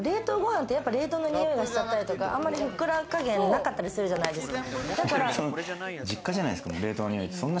冷凍のにおいがしちゃったりとか、あんまりふっくら加減なかったりするじゃないですか。